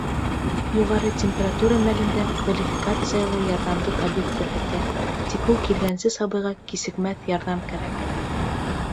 Юғары температура мәлендә квалификациялы ярҙамды табип күрһәтә, тик ул килгәнсе сабыйға кисекмәҫ ярҙам кәрәк.